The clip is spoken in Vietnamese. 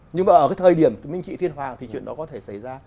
nhưng mà ở cái thời điểm minh trị thiên hoàng thì chuyện đó có thể xảy ra